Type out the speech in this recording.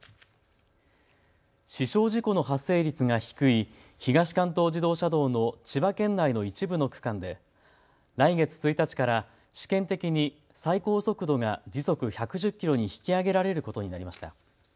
死傷事故の発生率が低い東関東自動車道の千葉県内の一部の区間で来月１日から試験的に最高速度が時速１１０キロに引き上げられることになりました。